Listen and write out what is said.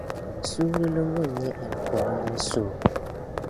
Suurili ŋɔ n-nyɛ Alkur’aani suhu.